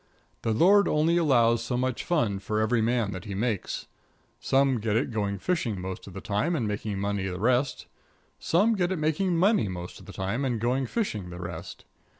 The Lord only allows so much fun for every man that He makes. Some get it going fishing most of the time and making money the rest; some get it making money most of the time and going fishing the rest.